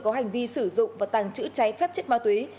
có hành vi sử dụng và tàng trữ cháy phép chất ma túy